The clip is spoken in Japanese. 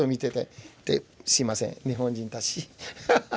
すいません日本人たちハハ！